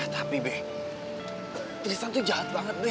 tapi be tristan tuh jahat banget be